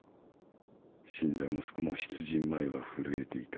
死んだ息子も出陣前は震えていた。